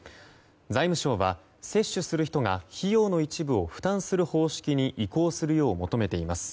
財務省は接種する人が費用の一部を負担する方式に移行するよう求めています。